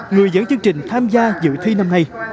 người dẫn chương trình tham gia dự thi năm nay